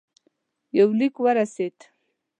یو لیک ورسېدی.